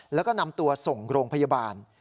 แล้วก็นำตัวส่งโรงพยาบาล